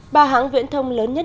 bà hãng viễn thông lớn nhất